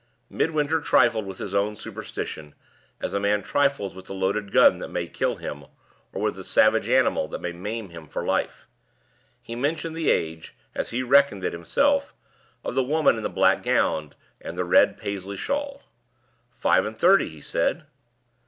Midwinter trifled with his own superstition, as a man trifles with the loaded gun that may kill him, or with the savage animal that may maim him for life. He mentioned the age (as he had reckoned it himself) of the woman in the black gown and the red Paisley shawl. "Five and thirty," he said.